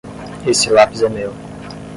Esse lápis é meu.